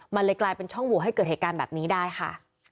มันเลยกลายเป็นช่องโหวตให้เกิดเหตุการณ์แบบนี้ได้ค่ะ